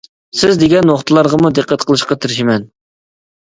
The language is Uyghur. سىز دېگەن نۇقتىلارغىمۇ دىققەت قىلىشقا تىرىشىمەن.